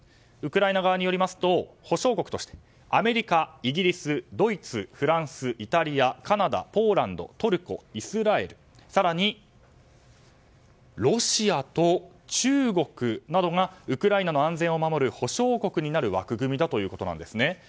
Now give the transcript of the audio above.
ウクライナ側によりますと保証国としてアメリカ、イギリス、ドイツフランス、イタリアカナダ、ポーランドトルコ、イスラエル更にロシアと中国などがウクライナの安全を守る保証国になる枠組みだということです。